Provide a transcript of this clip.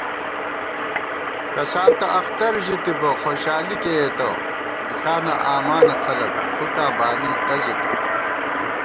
کساں تہ اختر ژِتِبہ خوشالی کېئیتہ مِݪانہ آمانہ خلَک فُکاں بانی ٹَزِتہ